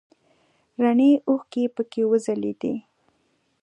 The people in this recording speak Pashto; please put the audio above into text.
رڼې اوښکې پکې وځلیدې.